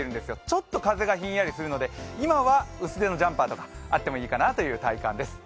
ちょっと風がひんやりするので、今は薄手のジャンパーとかあってもいいかなという体感です。